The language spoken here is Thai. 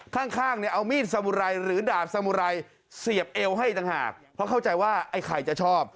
ข้างเนี่ยเอามีดสมุไรหรือดาบสมุไรเสียบเอวให้อีกต่างหากเพราะเข้าใจว่าไอ้ไข่จะชอบ